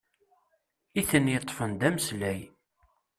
I ten-yeṭṭfen d ameslay!